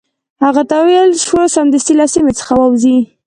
هغه ته وویل شو سمدستي له سیمي څخه ووزي.